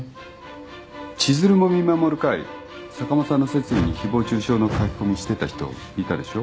千鶴も見守る会坂間さんの説諭に誹謗中傷の書き込みしてた人いたでしょ。